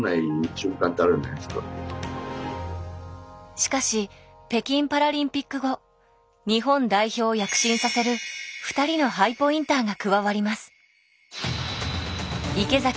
しかし北京パラリンピック後日本代表を躍進させる２人のハイポインターが加わります。